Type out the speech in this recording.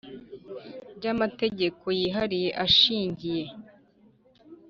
Ry amategeko yihariye ashingiye